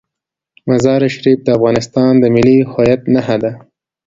مزارشریف د افغانستان د ملي هویت نښه ده.